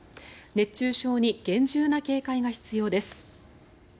熱中症に厳重な警戒が必要です。